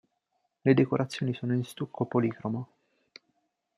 Le decorazioni sono in stucco policromo.